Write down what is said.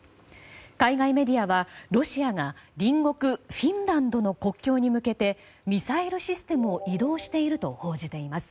海外メディアは、ロシアが隣国フィンランドの国境に向けてミサイルシステムを移動していると報じています。